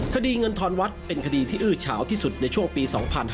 คดีเงินทอนวัดเป็นคดีที่อื้อเฉาที่สุดในช่วงปี๒๕๕๙